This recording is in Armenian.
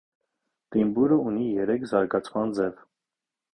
Տիմբուրը ունի երեք զարգացման ձև։